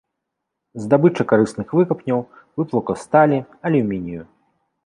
Здабыча карысных выкапняў, выплаўка сталі, алюмінію.